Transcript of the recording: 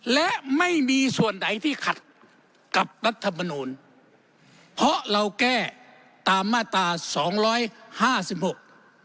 และไม่มีส่วนไหนที่ขัดกับรัฐมนูลเพราะเราแก้ตามมาตราสองร้อยห้าสิบหก